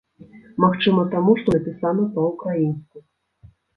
Магчыма, таму, што напісана па-ўкраінску.